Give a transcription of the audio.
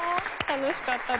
楽しかった？